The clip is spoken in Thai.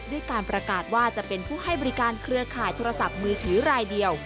ด้วยการประกาศว่าจะเป็นผู้ให้บริการเครือข่ายโทรศัพท์มือถือรายเดียว